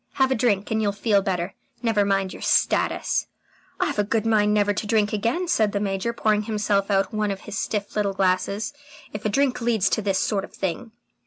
Have a drink, and you'll feel better. Never mind your status." "I've a good mind never to have a drink again," said the Major, pouring himself out one of his stiff little glasses, "if a drink leads to this sort of thing."